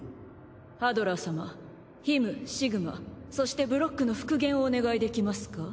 ハドラー様ヒムシグマそしてブロックの復元をお願いできますか。